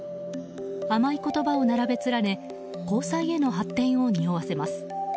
甘い言葉を並べ連ね交際への発展をにおわせます。